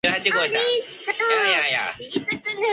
私はロボットではありません。